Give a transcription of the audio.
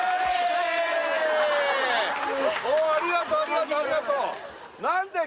おおありがとうありがとうありがとう何だよ